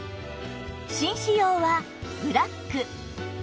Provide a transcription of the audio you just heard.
紳士用はブラック